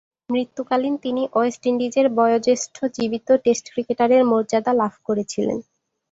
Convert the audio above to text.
মৃত্যুকালীন তিনি ওয়েস্ট ইন্ডিজের বয়োজ্যেষ্ঠ জীবিত টেস্ট ক্রিকেটারের মর্যাদা লাভ করেছিলেন।